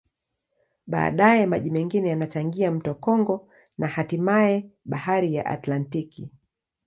Baadaye, maji mengine yanachangia mto Kongo na hatimaye Bahari ya Atlantiki.